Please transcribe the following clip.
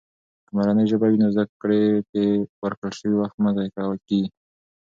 که مورنۍ ژبه وي، نو زده کړې کې ورکړل شوي وخت مه ضایع کېږي.